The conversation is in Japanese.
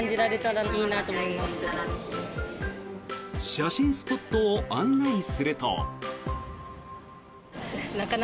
写真スポットを案内すると。